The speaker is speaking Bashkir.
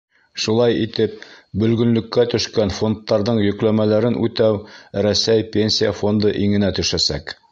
Шулай итеп, бөлгөнлөккә төшкән фондтарҙың йөкләмәләрен үтәү Рәсәй Пенсия фонды иңенә төшәсәк.